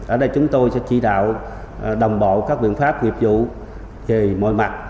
ở đây chúng tôi sẽ chỉ đạo đồng bộ các biện pháp nghiệp vụ về mọi mặt